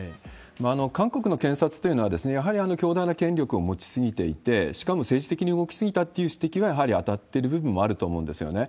韓国の検察というのは、やはり強大な権力を持ちすぎていて、しかも政治的に動き過ぎたっていう指摘はやはり当たっている部分はあると思うんですよね。